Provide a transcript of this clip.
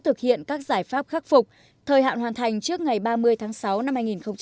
thực hiện các giải pháp khắc phục thời hạn hoàn thành trước ngày ba mươi tháng sáu năm hai nghìn hai mươi